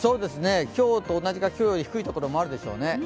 今日と同じか、今日より低いところがあるでしょうね。